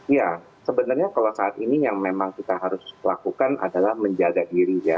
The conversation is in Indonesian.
ya sebenarnya kalau saat ini yang memang kita harus lakukan adalah menjaga diri ya